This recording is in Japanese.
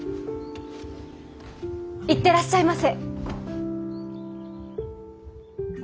行ってらっしゃいませ！